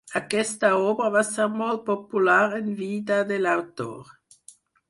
Aquesta obra va ser molt popular en vida de l'autor.